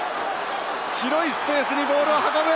広いスペースにボールを運ぶ！